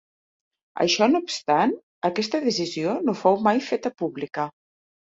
Això no obstant, aquesta decisió no fou mai feta pública.